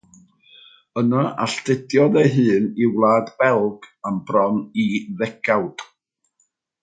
Yna alltudiodd ei hunan i Wlad Belg am bron i ddegawd.